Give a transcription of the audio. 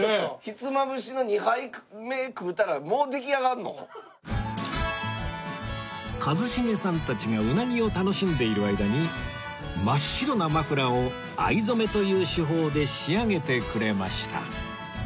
ひつまぶしの一茂さんたちがうなぎを楽しんでいる間に真っ白なマフラーを藍染という手法で仕上げてくれました